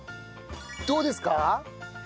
どうですか？